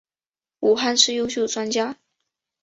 武汉市优秀专家。